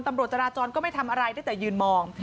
ตำรวจจราจรก็ไม่ทำอะไรได้แต่ยืนมอง